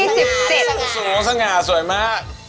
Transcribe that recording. สูงสง่าสวยมาก